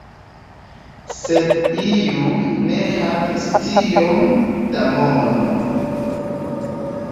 Sed iuj ne havis tiom da mono.